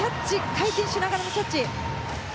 回転しながらのキャッチ！